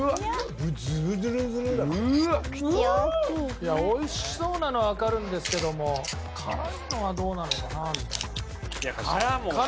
いやおいしそうなのはわかるんですけども辛いのはどうなのかな？